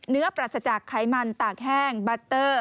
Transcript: ปรัสจากไขมันตากแห้งบัตเตอร์